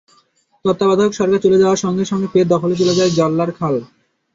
তত্ত্বাবধায়ক সরকার চলে যাওয়ার সঙ্গে সঙ্গে ফের দখলে চলে যায় জল্লারখাল।